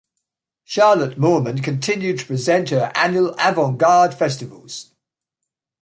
Charlotte Moorman continued to present her annual Avant Garde Festivals.